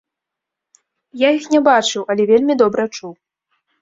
Я іх не бачыў, але вельмі добра чуў.